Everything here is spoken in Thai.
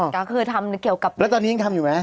แล้วตอนนี้ยังทำอยู่ไหม